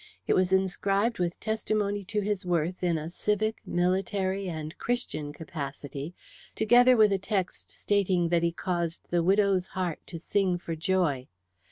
It was inscribed with testimony to his worth in a civic, military, and Christian capacity, together with a text stating that he caused the widow's heart to sing for joy.